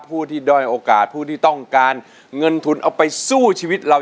ผู้ที่ด้อยโอกาสผู้ที่ต้องการเงินทุนเอาไปสู้ชีวิตเรา